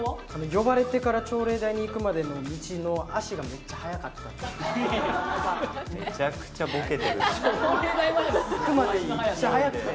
呼ばれてから朝礼台に行くまでの道の足がめっちゃ速かった朝礼台前の足の速さ？